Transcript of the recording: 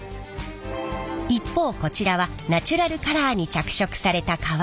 一方こちらはナチュラルカラーに着色された革。